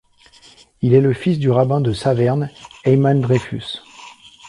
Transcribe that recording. Il est le fils du rabbin de Saverne, Heymann Dreyfuss.